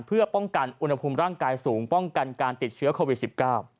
เพื่อป้องกันอุณหภูมิร่างกายสูงป้องกันการติดเชื้อโควิด๑๙